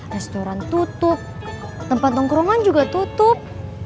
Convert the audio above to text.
restoran tutup tempat nongkrongan juga tutup